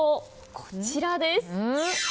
こちらです。